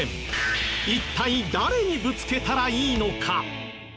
一体誰にぶつけたらいいのか？